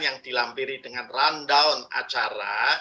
yang dilampiri dengan rundown acara